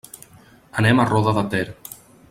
Anem a Roda de Ter.